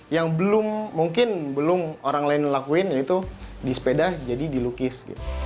yang belum mungkin belum orang lain lakuin yaitu di sepeda jadi dilukis